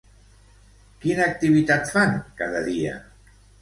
Quina activitat fan cada dia?